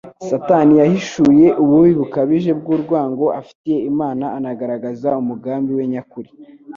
Satani yahishuye ububi bukabije bw'urwango afitiye Imana anagaragaza umugambi we nyakuri: